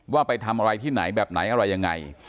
ว่าไปทำอะไรที่ไหนแบบไหนอะไรยังไง